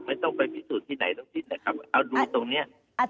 ไม่ต้องไปพิสูจน์ที่ไหนต้องพิสูจน์นะครับเอาดูตรงเนี้ยอาจารย์ค่ะ